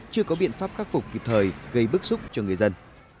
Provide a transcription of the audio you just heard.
chưa có biện pháp khắc phục kịp thời gây bức xúc cho người dân